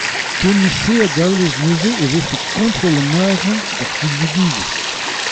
Kement-se a dalvez neuze e vefe kontrol an arcʼhant d’ar silvidigezh ?